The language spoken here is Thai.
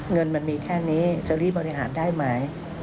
เงินมันมีแค่นี้จะรีบบริหารได้ไหม